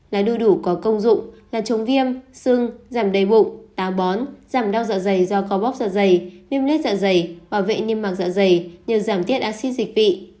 lá đu đủ có công dụng là chống viêm xương giảm đầy bụng táo bón giảm đau dạ dày do có bóp dạ dày niêm lết dạ dày bảo vệ niêm mạc dạ dày nhờ giảm tiết axit dịch vị